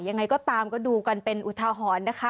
ยังไงก็ตามก็ดูกันเป็นอุทาหรณ์นะคะ